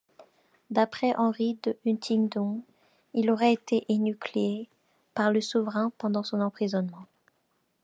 D'après Henri de Huntingdon, il aurait été énucléé par le souverain pendant son emprisonnement.